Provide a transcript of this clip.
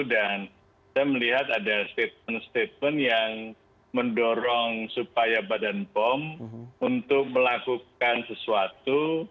dan saya melihat ada statement statement yang mendorong supaya badan pom untuk melakukan sesuatu